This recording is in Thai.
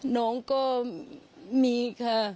น้องก็มีค่ะ